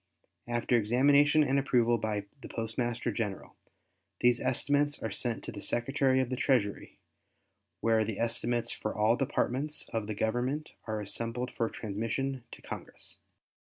After examination and approval by the Postmaster General, these estimates are sent to the Secretary of the Treasury where the estimates for all Departments of the Government are assembled for transmission to Congress.